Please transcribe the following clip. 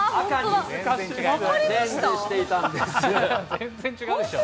全然違うでしょ？